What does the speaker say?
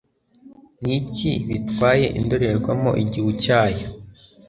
Niki bitwaye indorerwamo igihu cyacyo